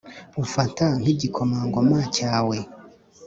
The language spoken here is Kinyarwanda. umfata nki gikomangoma cyawe